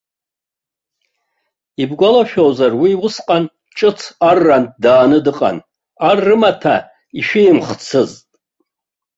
Ибгәалашәозар, уи усҟан ҿыц аррантә дааны дыҟан, ар рымаҭәа ишәимхыцызт.